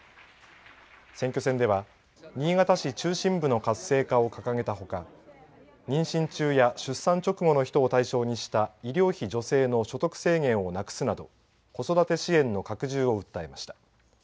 選挙戦では新潟市中心部の活性化を掲げたほか妊娠中や出産直後の人を対象にした医療費助成の所得制限をなくすなど子育て支援の拡充を訴えました。